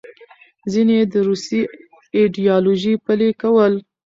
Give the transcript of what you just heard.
ځینې یې د روسي ایډیالوژي پلې کول.